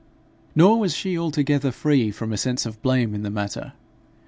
Nor was she altogether free from a sense of blame in the matter.